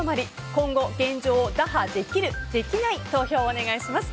今後、現状を打破できる、できない投票をお願いします。